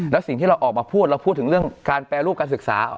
แล้วสิ่งที่เราออกมาพูดเราพูดถึงเรื่องการแปรรูปการศึกษา